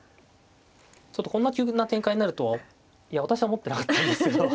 ちょっとこんな急な展開になるとは私は思ってなかったんですけど。